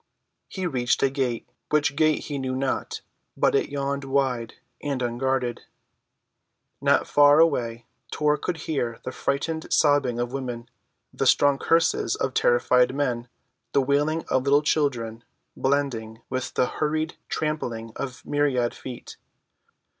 He reached a gate—which gate he knew not, but it yawned wide and unguarded. Not far away Tor could hear the frightened sobbing of women, the strong curses of terrified men, the wailing of little children, blending with the hurried trampling of myriad feet.